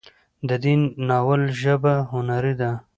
د دې ناول ژبه هنري ده